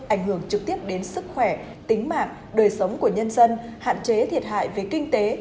ảnh hưởng trực tiếp đến sức khỏe tính mạng đời sống của nhân dân hạn chế thiệt hại về kinh tế